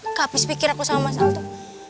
gak habis pikir aku sama mas a tuh